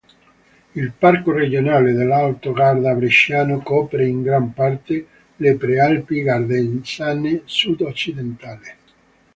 Il parco regionale dell'Alto Garda Bresciano copre in gran parte le Prealpi Gardesane Sud-occidentali.